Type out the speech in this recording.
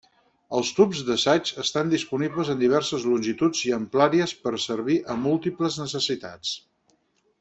Els tubs d'assaig estan disponibles en diverses longituds i amplàries per servir a múltiples necessitats.